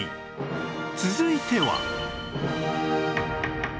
続いては